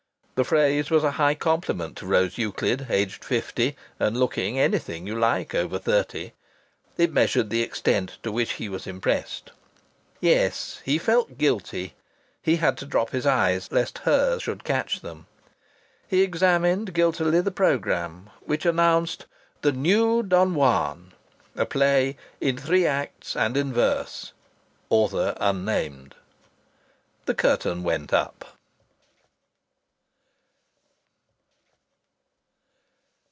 The phrase was a high compliment to Rose Euclid, aged fifty and looking anything you like over thirty. It measured the extent to which he was impressed. Yes, he felt guilty. He had to drop his eyes, lest hers should catch them. He examined guiltily the programme, which announced "The New Don Juan," a play "in three acts and in verse" author unnamed. The curtain went up.